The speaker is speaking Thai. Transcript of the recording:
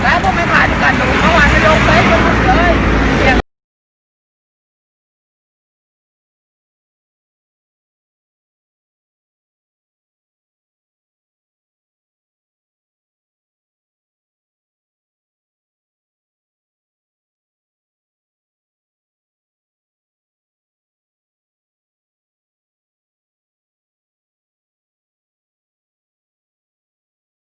กลับมาหวานในโลกเก่ง